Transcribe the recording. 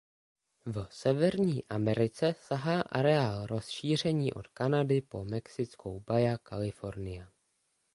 V Severní Americe sahá areál rozšíření od Kanady po mexickou Baja California.